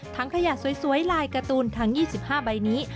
ขยะสวยลายการ์ตูนทั้ง๒๕ใบนี้